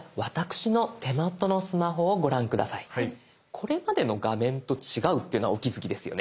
これまでの画面と違うっていうのはお気付きですよね？